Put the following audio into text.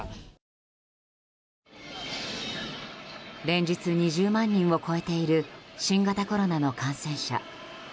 連日、２０万人を超えている新型コロナの感染者。